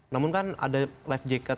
namun kan ada life jacket